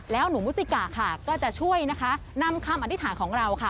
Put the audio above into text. แล้วหนูมุสิกะค่ะก็จะช่วยนะคะนำคำอธิษฐานของเราค่ะ